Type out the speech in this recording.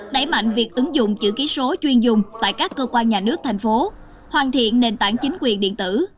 đẩy mạnh việc ứng dụng chữ ký số chuyên dùng tại các cơ quan nhà nước thành phố hoàn thiện nền tảng chính quyền điện tử